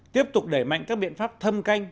tiếp tục đẩy mạnh các biện pháp thâm canh